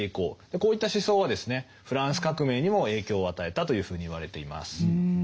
こういった思想はですねフランス革命にも影響を与えたというふうに言われています。